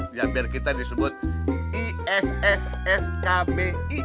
biar kita disebut issskbi